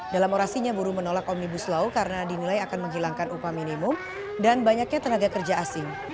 dalam orasinya buruh menolak omnibus law karena dinilai akan menghilangkan upah minimum dan banyaknya tenaga kerja asing